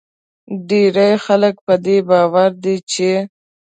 ډیری خلک په دې باور دي چې